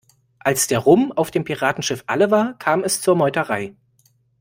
Als der Rum auf dem Piratenschiff alle war, kam es zur Meuterei.